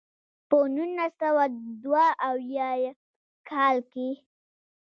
پۀ نولس سوه دوه اويا يم کال کښې